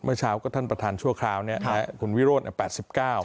เมื่อเช้าก็ท่านประธานชั่วคราวเนี่ยคุณวิโรนเนี่ย๘๙